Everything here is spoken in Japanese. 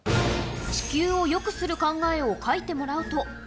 地球をよくする考えを書いてもらうと。